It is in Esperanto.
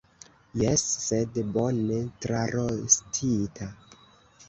Jes, sed bone trarostita.